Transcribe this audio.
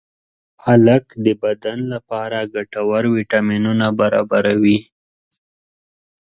پالک د بدن لپاره ګټور ویټامینونه برابروي.